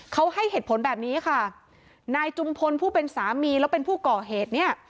เขาให้เหตุผลแบบนี้ค่ะนายจุมพลผู้เป็นสามีแล้วเป็นผู้ก่อเหตุเนี่ย